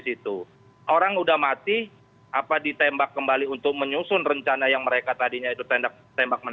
situ orang udah mati apa ditembak kembali untuk menyusun rencana yang mereka tadinya itu tendak tembakan